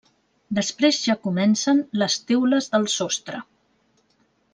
Després ja comencen les teules del sostre.